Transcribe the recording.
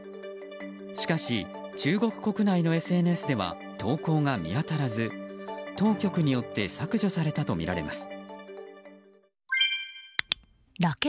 しかし、中国国内のＳＮＳでは投稿が見当たらず当局によって削除されたとみられます。